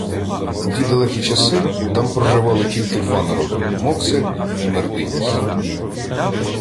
У ті далекі часи там проживали «тільки два народи: Моксель і Мердиніс»